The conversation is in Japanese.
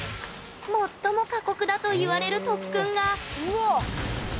最も過酷だといわれる特訓がうわあ！